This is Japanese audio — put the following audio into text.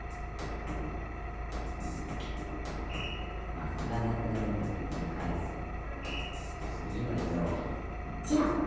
マスがなくなるまでくり返す次の色を見る「白」。